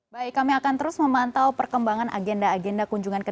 baik kami akan terus memantau perkembangan agenda agenda kunjungan kerja